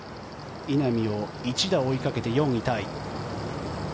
稲見を１打追いかけて４位タイ。